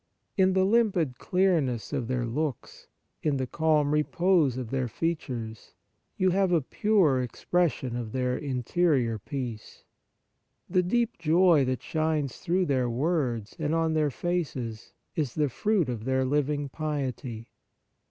In the limpid clearness of their looks, in the calm repose of their features, you have a pure expression of their interior peace. The deep joy that shines through their words and on their faces is the fruit of their living piety.